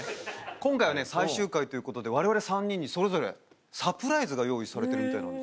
今回はね最終回ということでわれわれ３人にそれぞれサプライズが用意されてるみたいなんです。